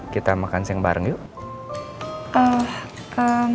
kita makan siang bareng yuk